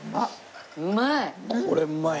うまい？